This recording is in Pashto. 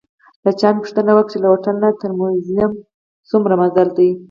له چا مې پوښتنه وکړه چې له هوټل نه تر موزیم څومره مزل دی؟